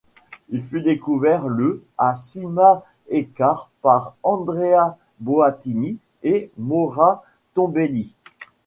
Il fut découvert le à Cima Ekar par Andrea Boattini et Maura Tombelli.